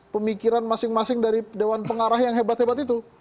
pemikiran masing masing dari dewan pengarah yang hebat hebat itu